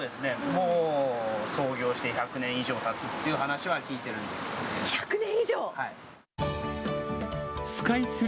もう創業して１００年以上たつっていう話は聞いてるんですけどね。